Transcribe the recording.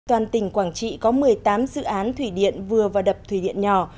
toàn tỉnh quảng trị có một mươi tám dự án thủy điện vừa và đập thủy điện nhỏ